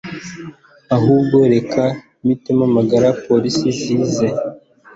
Ahubwo reka mpite mpamagara police zize